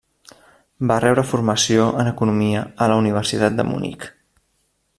Va rebre formació en economia a la Universitat de Munic.